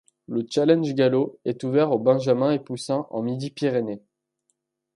Le challenge Galau est ouvert aux benjamins et poussins en Midi-Pyrénées.